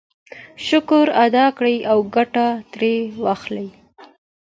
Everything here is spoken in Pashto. شکر ادا کړئ او ګټه ترې واخلئ.